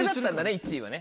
１位はね。